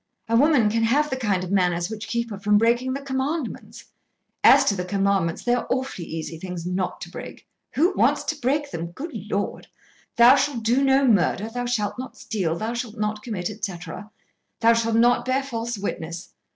A woman can have the kind of manners which keep her from breaking the Commandments. As to the Commandments, they are awfully easy things not to break. Who wants to break them, good Lord! Thou shall do no murder. Thou shalt not steal. Thou shalt not commit, etc. Thou shalt not bear false witness.